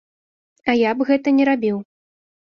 А я б гэта не рабіў!